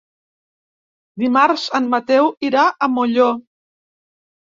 Dimarts en Mateu irà a Molló.